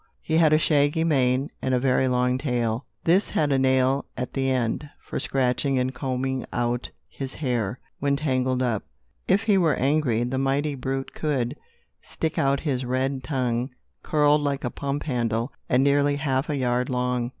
He had a shaggy mane and a very long tail. This had a nail at the end, for scratching and combing out his hair, when tangled up. If he were angry, the mighty brute could stick out his red tongue, curled like a pump handle, and nearly half a yard long.